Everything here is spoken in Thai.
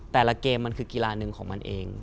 แต่ละเกมมันคือกีฬาหนึ่งของมันเอง